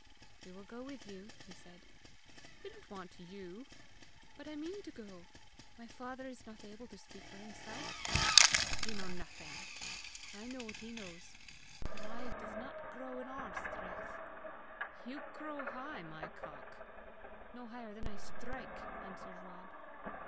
"We will go with you," he said. "We don't want YOU!" "But I mean to go! My father is not able to speak for himself!" "You know nothing." "I know what he knows. The lie does not grow in our strath." "You crow high, my cock!" "No higher than I strike," answered Rob.